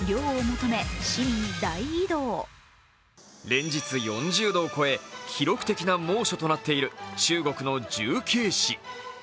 連日４０度を超え記録的な猛暑となっている中国の重慶市。